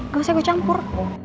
gak usah gue campur